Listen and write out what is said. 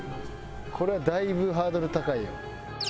これはだいぶハードル高いよ。